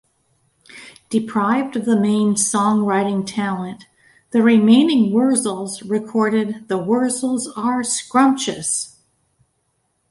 Deprived of the main song-writing talent, the remaining Wurzels recorded The Wurzels Are Scrumptious!